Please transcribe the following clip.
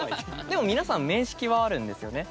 でも皆さん面識はあるんですよね？